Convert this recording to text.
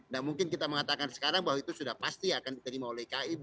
dan mungkin kita mengatakan sekarang bahwa itu sudah pasti akan diterima oleh kib